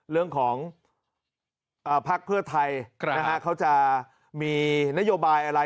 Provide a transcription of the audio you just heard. เรื่องของภาคเพื่อไทยนะครับเขาจะมีนโยบายอะไร